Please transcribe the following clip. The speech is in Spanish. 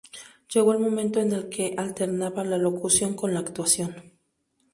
Llegó el momento en el que alternaba la locución con la actuación.